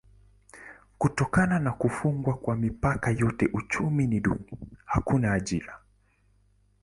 Kutokana na kufungwa kwa mipaka yote uchumi ni duni: hakuna ajira.